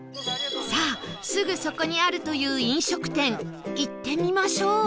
さあすぐそこにあるという飲食店行ってみましょう